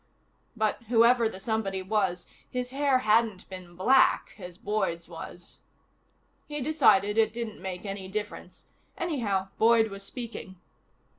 But whoever the somebody was, his hair hadn't been black, as Boyd's was... He decided it didn't make any difference. Anyhow, Boyd was speaking.